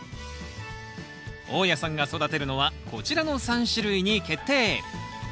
大家さんが育てるのはこちらの３種類に決定！